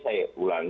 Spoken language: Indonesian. kalau kita melihatnya